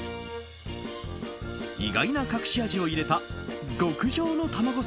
意外な隠し味を入れた極上のたまご